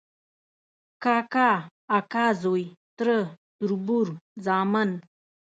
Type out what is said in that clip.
کاکا، اکا زوی ، تره، تربور، زامن ،